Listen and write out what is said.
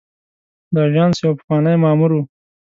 د آژانس یو پخوانی مامور و.